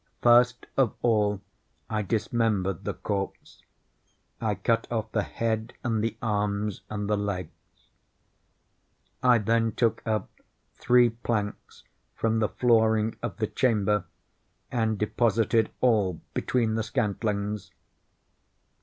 First of all I dismembered the corpse. I cut off the head and the arms and the legs. I then took up three planks from the flooring of the chamber, and deposited all between the scantlings.